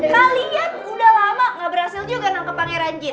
kalian udah lama gak berhasil juga nangkep pangeran jin